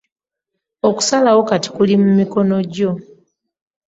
Okusalawo kati kuli mu mikono gyo.